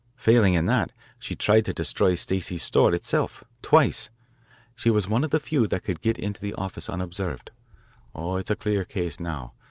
Failing in that she tried to destroy Stacey's store itself, twice. She was one of the few that could get into the office unobserved. Oh, it's a clear case now.